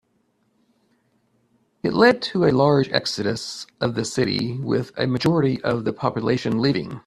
It led to a large exodus of the city, with a majority of the population leaving.